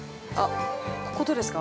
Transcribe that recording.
ここどうですか。